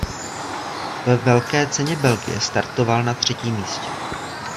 Ve Velké ceně Belgie startoval na třetím místě.